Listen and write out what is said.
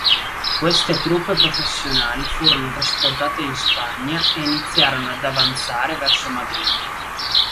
Queste truppe professionali furono trasportate in Spagna e iniziarono ad avanzare verso Madrid.